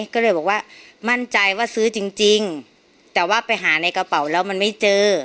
ก็เลยบอกว่ามั่นใจว่าซื้อจริงแต่ว่าไปหาในกระเป๋าแล้วมันไม่เจอ